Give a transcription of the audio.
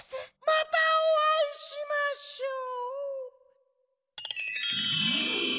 またおあいしましょう。